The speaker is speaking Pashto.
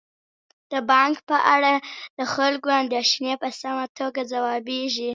د بانک په اړه د خلکو اندیښنې په سمه توګه ځوابیږي.